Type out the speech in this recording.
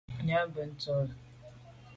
Nya bùnte ndù.